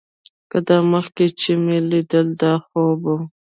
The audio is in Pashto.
که دا مخکې چې مې ليدل دا خوب و.